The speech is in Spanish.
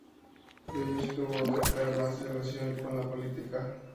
Beuys tuvo otra cara, más en relación con la política.